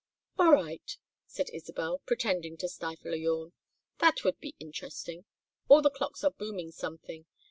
"All right," said Isabel, pretending to stifle a yawn. "That would be interesting. All the clocks are booming something.